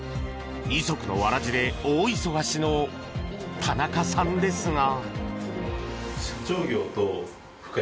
二足のわらじで大忙しの田中さんですが。